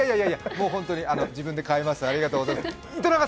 ホントに自分で買います。